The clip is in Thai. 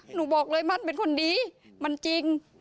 บอกเลยมันเป็นคนดีมันจริง